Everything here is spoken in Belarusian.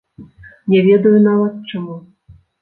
Не ведаю нават, чаму.